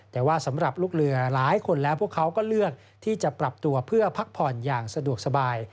แต่ว่าสำหรับลูกเรือหลายคนแล้วพวกเขาก็เลือกที่จะปรับตัวเพื่อพักผ่อนอย่างสะดวกสบาย